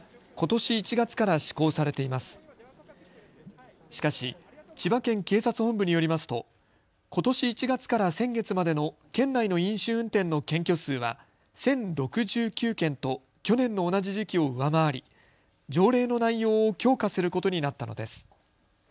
しかし、千葉県警察本部によりますとことし１月から先月までの県内の飲酒運転の検挙数は１０６９件と去年の同じ時期を上回り、条例の内容を強化することになったのです。